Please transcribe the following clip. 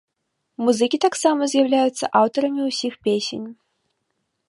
Музыкі таксама з'яўляюцца аўтарамі ўсіх песень.